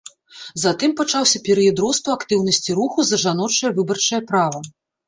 Затым пачаўся перыяд росту актыўнасці руху за жаночае выбарчае права.